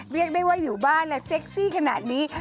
เรียกได้ว่าอยู่บ้านและเซ็กซี่ขนาดนี้